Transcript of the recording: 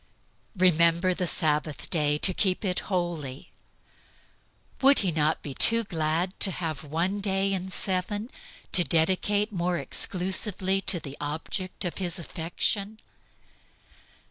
"Remember the Sabbath day to keep it holy." Would he not be too glad to have one day in seven to dedicate more exclusively to the object of his affection?